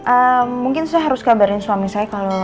eee mungkin saya harus kabarin suami saya kalau